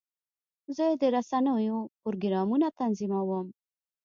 زه د رسنیو پروګرامونه تنظیموم.